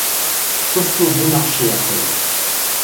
Qu'est-ce qui est bon marché à présent?